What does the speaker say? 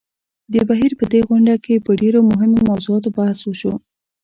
د بهېر په دې غونډه کې په ډېرو مهمو موضوعاتو بحث وشو.